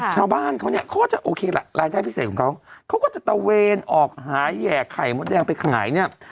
ชาวบ้างเค้าเนี่ยเค้าก็จะตะเวนออกหายแยกไข่มดแดงไปขายเนี่ย